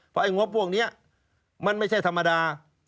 เพราะไอ้งบพวกนี้มันไม่ใช่ธรรมดา